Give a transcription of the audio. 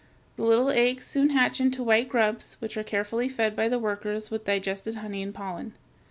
The little eggs soon hatch into white grubs which are carefully fed by the workers with digested honey and pollen.